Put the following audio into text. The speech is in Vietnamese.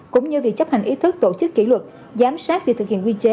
cũng như việc chấp hành ý thức tổ chức kỷ luật giám sát việc thực hiện quy chế